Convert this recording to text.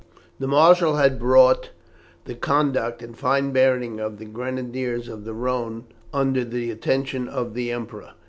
The marshal had brought the conduct and fine bearing of the Grenadiers of the Rhone under the attention of the Emperor.